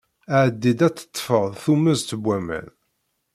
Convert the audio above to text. Ɛeddi-d ad d-teṭṭfeḍ tummeẓt n waman.